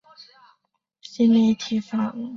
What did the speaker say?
新媒体法人